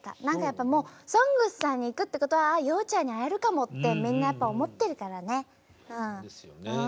何かやっぱりもう「ＳＯＮＧＳ」さんに行くってことはあ洋ちゃんに会えるかもってみんなやっぱ思ってるからね。ですよね。